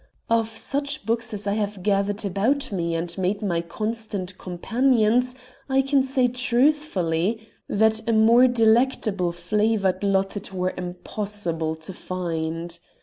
Of such books as I have gathered about me and made my constant companions I can say truthfully that a more delectable flavored lot it were impossible to find.